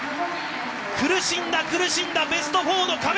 苦しんだ苦しんだベスト４の壁。